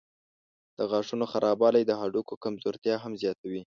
د غاښونو خرابوالی د هډوکو کمزورتیا هم زیاتوي.